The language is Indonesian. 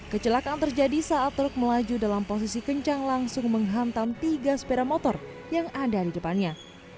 kecelakaan terjadi saat truk melaju dalam posisi kencang langsung menghantam tiga sepeda motor yang ada di depannya